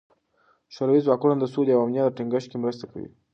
شوروي ځواکونه د سولې او امنیت ټینګښت کې مرسته کوي.